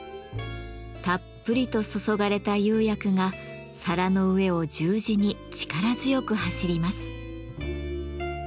たっぷりと注がれた釉薬が皿の上を十字に力強く走ります。